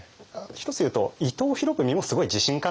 一つ言うと伊藤博文もすごい自信家なんですよね。